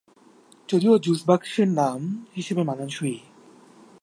যদিও জুস বক্সের নাম হিসেবে মানানসই।